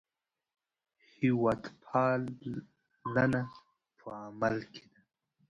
هېوادپالنه په عمل کې ده.